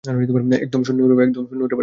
একদম শূন্যে উড়ে বেড়াবে!